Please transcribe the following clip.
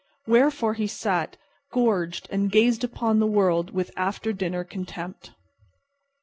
Wherefore he sat, gorged, and gazed upon the world with after dinner contempt.